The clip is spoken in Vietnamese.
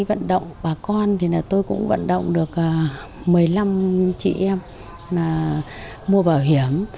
vận động bà con thì tôi cũng vận động được một mươi năm chị em mua bảo hiểm